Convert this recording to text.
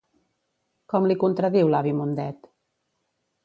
Com li contradiu l'avi Mundet?